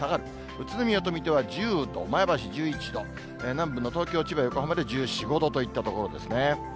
宇都宮と水戸は１０度、前橋１１度、南部の東京、千葉、横浜で１４、５度といったところですね。